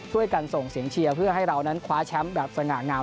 ส่งเสียงเชียร์เพื่อให้เรานั้นคว้าแชมป์แบบสง่างาม